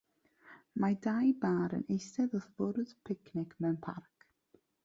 Mae dau bâr yn eistedd wrth fwrdd picnic mewn parc.